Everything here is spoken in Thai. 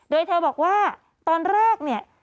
โดยเธอบอกว่าตอนแรกเนี่ย